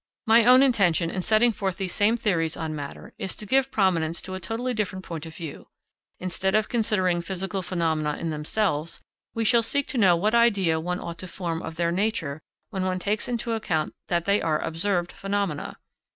My own intention, in setting forth these same theories on matter, is to give prominence to a totally different point of view. Instead of considering physical phenomena in themselves, we shall seek to know what idea one ought to form of their nature when one takes into account that they are observed phenomena.